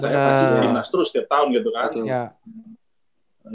saya pasti di timnas terus setiap tahun gitu kan